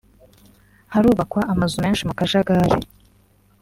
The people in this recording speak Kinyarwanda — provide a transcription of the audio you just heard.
harubakwa amazu menshi mu kajagari”